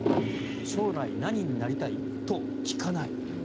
将来何になりたい？と聞かない。